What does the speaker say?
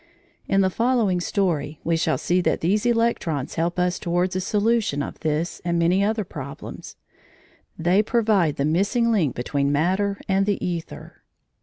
In the following story we shall see that these electrons help us towards a solution of this and many other problems; they provide the missing link between matter and the æther.